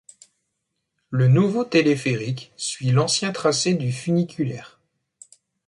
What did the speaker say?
Le nouveau téléphérique suit l'ancien tracé du funiculaire.